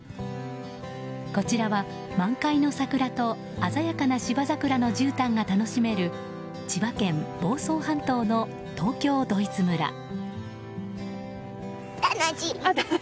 こちらは満開の桜と鮮やかな芝桜のじゅうたんが楽しめる千葉県房総半島の東京ドイツ村。